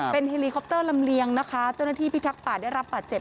เป็นเฮลีคอปเตอร์ลำเลียงนะคะเจ้าหน้าที่พิทักษ์ป่าได้รับบาดเจ็บ